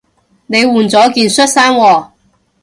你換咗件恤衫喎